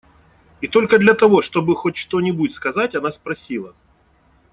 И только для того, чтобы хоть что-нибудь сказать, она спросила: